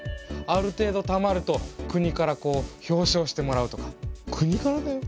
ある程度たまると国から表彰してもらうとか。国からだよ。